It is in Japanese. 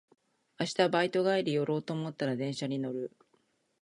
明日バイト帰り寄ろうと思ったら電車に乗る